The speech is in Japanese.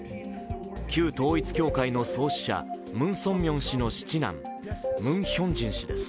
旧統一教会の創始者ムン・ソンミョン氏の７男、ムン・ヒョンジン氏です。